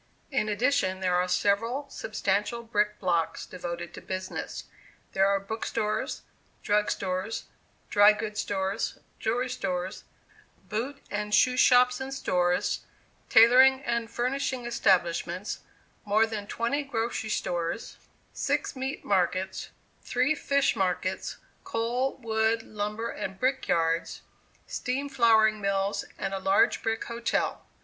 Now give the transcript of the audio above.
In addition, there are several substantial brick blocks devoted to business; there are book stores, drug stores, dry goods stores, jewelry stores, boot and shoe shops and stores, tailoring and furnishing establishments, more than twenty grocery stores, six meat markets, three fish markets, coal, wood, lumber and brick yards, steam flouring mills, and a large brick hotel.